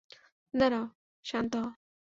দাঁড়া, শান্ত হ।